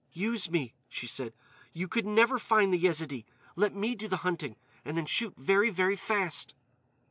"Use me," she said. "You could never find the Yezidee. Let me do the hunting; and then shoot very, very fast."